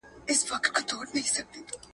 ډله ایز کار روحیه کمزورې ده.